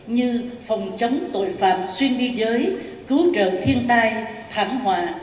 như phòng chống tội phạm xuyên biên giới cứu trợ thiên tai thảm họa